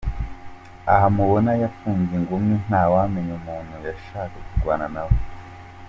Aha mubona yafunze ingumi, ntawamenya umuntu yashaka kurwana nawe.